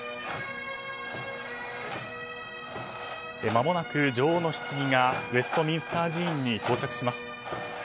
まもなく女王のひつぎがウェストミンスター寺院に到着します。